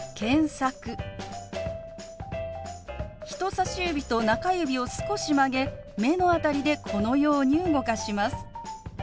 人さし指と中指を少し曲げ目の辺りでこのように動かします。